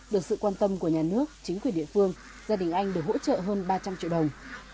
được sự quan tâm của nhà nước chính quyền địa phương gia đình anh được hỗ trợ hơn ba trăm linh triệu đồng